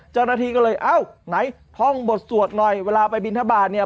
เจ้าหน้าที่ก็เลยเอ้าไหนท่องบทสวดหน่อยเวลาไปบินทบาทเนี่ย